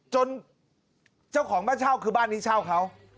เจ้าของบ้านเช่าคือบ้านนี้เช่าเขา